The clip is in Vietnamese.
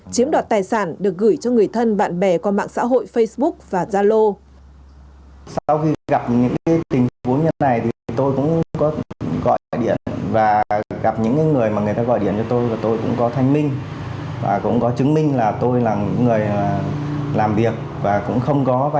chiếm đoạt tài sản được gửi cho người thân bạn bè qua mạng xã hội facebook và gia lô